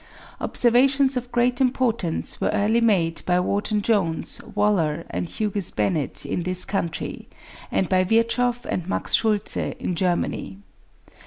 Observations of great importance were early made by Wharton Jones, Waller, and Hughes Bennett in this country, and by Virchow and Max Schultze in Germany.